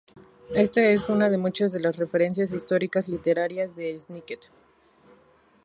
Esta es una de muchas de las referencias históricas literarias de Snicket.